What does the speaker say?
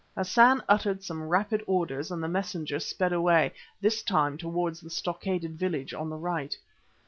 Hassan uttered some rapid orders and the messenger sped away, this time towards the stockaded village on the right.